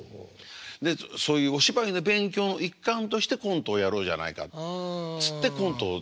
でそういうお芝居の勉強の一環としてコントをやろうじゃないかっつってコントを自分たちで。